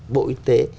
bộ y tế